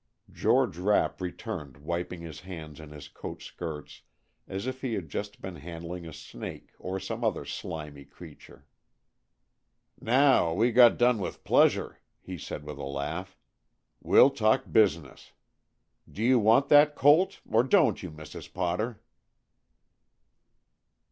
George Rapp returned wiping his hands in his coat skirts as if he had just been handling a snake, or some other slimy creature. "Now we got done with pleasure," he said with a laugh, "we'll talk business. Do you want that colt, or don't you, Mrs. Potter?" XVI.